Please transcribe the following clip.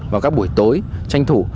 vào các buổi tối tranh thủ